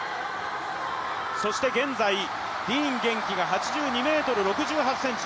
そして現在ディーン元気が８２ｍ６８ｃｍ。